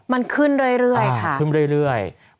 มันขึ้นเรื่อยค่ะ